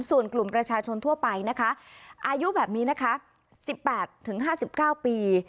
ส่วนกลุ่มประชาชนทั่วไปนะคะอายุแบบนี้นะคะ๑๘๕๙ปี